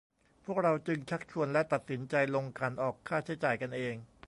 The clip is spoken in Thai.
พวกเราจึงชักชวน และ ตัดสินใจ ลงขันออกค่าใช้จ่ายกันเอง